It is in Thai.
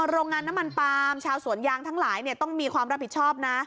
โรงงานน้ำมันปาล์มชาวสวนยางทั้งหลายต้องมีความรับผิดชอบนะ